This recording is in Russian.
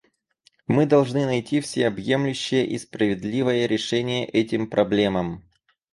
Мы должны найти всеобъемлющее и справедливое решение этим проблемам.